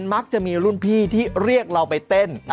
มักจะมีรุ่นพี่ที่เรียกเราไปเต้น